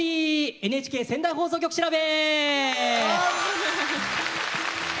ＮＨＫ仙台放送局調べ！